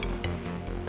pembangunan di jakarta